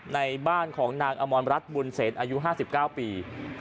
ในบ้านของนางอมรรัฐบุญเศษอายุ๕๙ปี